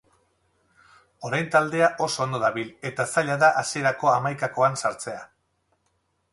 Orain taldea oso ondo dabil, eta zaila da hasierako hamaikakoan sartzea.